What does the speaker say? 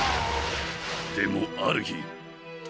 でもあるひ。